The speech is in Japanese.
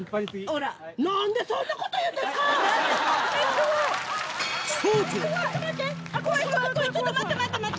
怖い怖いちょっと待って待って待って。